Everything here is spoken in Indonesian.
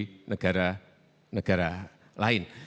dan juga di negara negara lain